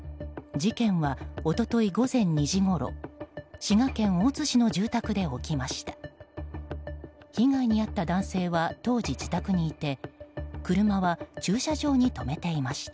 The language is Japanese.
事件は一昨日午前２時ごろ滋賀県大津市の住宅で起きました。